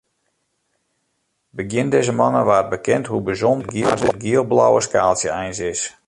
Begjin dizze moanne waard bekend hoe bysûnder as it giel-blauwe skaaltsje eins is.